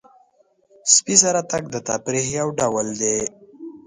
سپي سره تګ د تفریح یو ډول دی.